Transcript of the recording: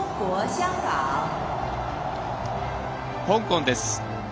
香港です。